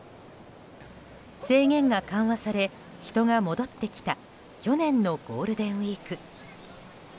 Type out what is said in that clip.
制限が緩和され人が戻ってきた去年のゴールデンウィーク。